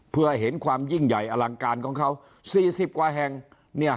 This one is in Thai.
เพื่อเห็นความยิ่งใหญ่อลังการของเขา๔๐กว่าแห่ง